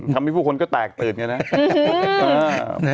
ทำให้ผู้คนก็แตกตื่นอย่างนี้นะ